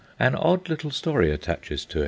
An odd little story attaches to it.